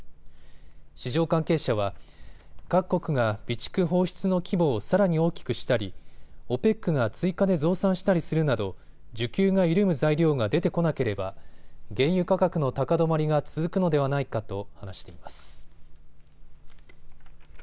市場関係者は各国が備蓄放出の規模をさらに大きくしたりＯＰＥＣが追加で増産したりするなど需給が緩む材料が出てこなければ原油価格の高止まりが続くのではないかと話しています。